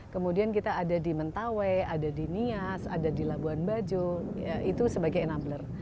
kemudian kita ada di mentawai ada di nias ada di labuan bajo itu sebagai enabler